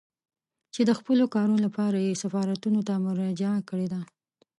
چې د خپلو کارونو لپاره يې سفارتونو ته مراجعه کړې ده.